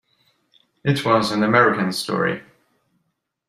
It was an American story.